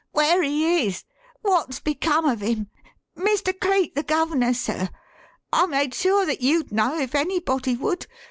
"Where he is wot's become of him? Mr. Cleek, the guv'ner, sir. I made sure that you'd know if anybody would.